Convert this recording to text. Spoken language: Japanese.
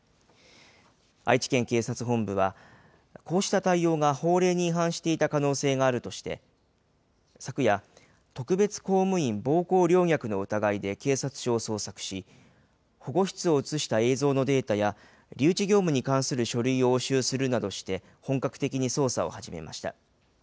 愛知県警察本部は、こうした対応が法令に違反していた可能性があるとして、昨夜、特別公務員暴行陵虐の疑いで警察署を捜索し、保護室を写した映像のデータや、留置業務に関する書類を押収するなどして、本格的に捜査を始めました。